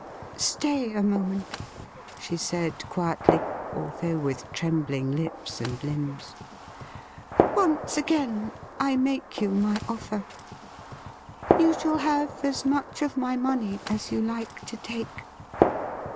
'Stay a moment,' she said quietly, although with trembling lips and limbs. ' Once again I make you my offer : you shall have as much of my money as you like to take.'